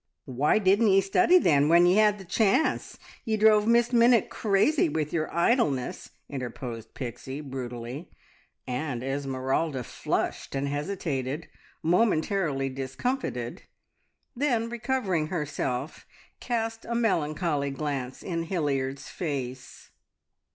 "Why didn't ye study, then, when ye had the chance? Ye drove Miss Minnitt crazy with your idleness!" interposed Pixie brutally; and Esmeralda flushed and hesitated, momentarily discomfited, then, recovering herself, cast a melancholy glance in Hilliard's face.